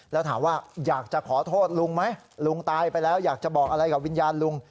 แล้วถามว่าอยากจะขอโทษลุงไหมลุงตายไปแล้วอยากจะบอกอะไรกับวิญญาณลุง